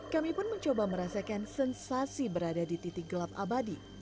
kami pun mencoba merasakan sensasi berada di titik gelap abadi